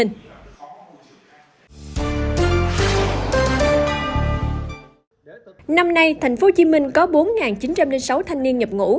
năm nay tp hcm có bốn chín trăm linh sáu thanh niên nhập ngũ